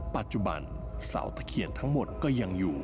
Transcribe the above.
ปัจจุบันเสาตะเคียนทั้งหมดก็ยังอยู่